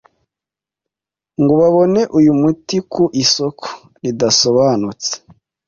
ngo babone uyu muti ku isoko ridasobanutse